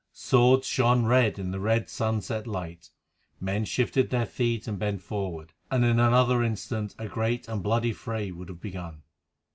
Swords shone red in the red sunset light, men shifted their feet and bent forward, and in another instant a great and bloody fray would have begun.